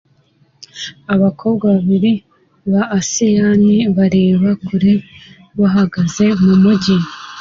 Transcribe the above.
Abakobwa babiri ba asiyani bareba kure bahagaze mumujyi